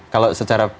kalau secara perenjak